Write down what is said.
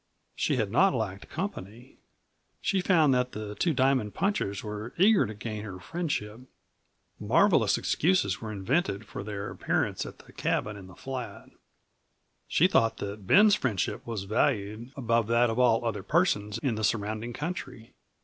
She had not lacked company. She found that the Two Diamond punchers were eager to gain her friendship. Marvelous excuses were invented for their appearance at the cabin in the flat. She thought that Ben's friendship was valued above that of all other persons in the surrounding country.